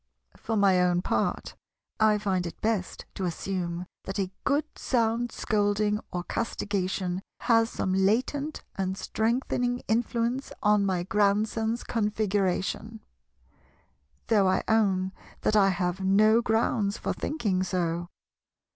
For my own part, I find it best to assume that a good sound scolding or castigation has some latent and strengthening influence on my Grandson's Configuration; though I own that I have no grounds for thinking so.